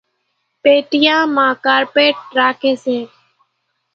پيٽيان مان ڪارپيٽ پڻ راکيَ سي۔